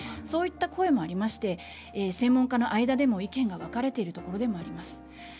そういった声もありまして専門家の間でも意見が分かれているところでもあります。